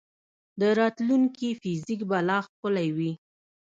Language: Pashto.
د راتلونکي فزیک به لا ښکلی دی.